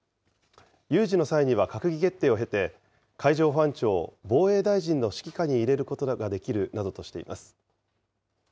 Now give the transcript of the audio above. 有事の際には閣議決定を経て、海上保安庁を防衛大臣の指揮下に入れることができるなどとしています。